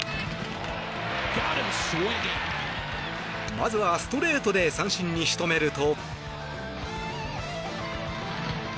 まずはストレートで三振に仕留めると。